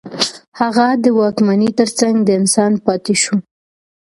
هغه د واکمنۍ ترڅنګ د انسان پاتې شو.